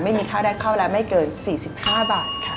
ไม่มีค่าได้เข้าแล้วไม่เกิน๔๕บาทค่ะ